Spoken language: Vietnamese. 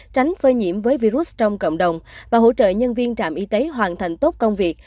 tránh phơi nhiễm với virus trong cộng đồng và hỗ trợ nhân viên trạm y tế hoàn thành tốt công việc